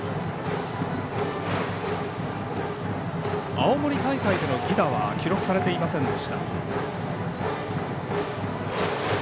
青森大会でも犠打は記録されていませんでした。